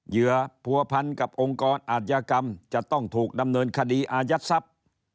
เหยื่อผัวพันกับองค์กรอาธิกรรมจะต้องถูกดำเนินคดีอายัดทรัพย์